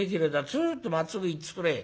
ツーッとまっすぐ行っつくれ」。